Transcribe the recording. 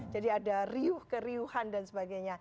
jadi ada riuh keriuhan dan sebagainya